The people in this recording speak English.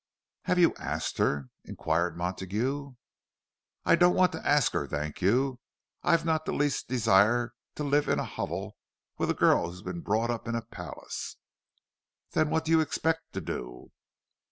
"Have you asked her?" inquired Montague. "I don't want to ask her, thank you! I've not the least desire to live in a hovel with a girl who's been brought up in a palace." "Then what do you expect to do?"